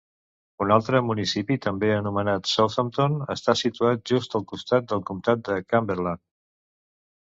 Un altre municipi també anomenat Southampton està situat just al costat del comtat de Cumberland.